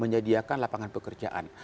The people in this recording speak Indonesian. menyediakan lapangan pekerjaan